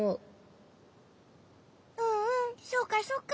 うんうんそうかそうか。